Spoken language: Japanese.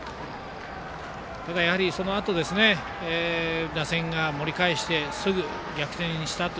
そのあと打線が盛り返してすぐ逆転したと。